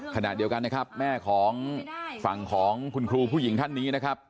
ขณะเดียวกันนะครับแม่ของฝั่งของคุณครูผู้หญิงท่านนี้นะครับ